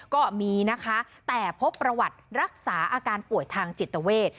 ก็มีนะคะแต่พบประวัติรักษาอาการป่วยทางจิตเวท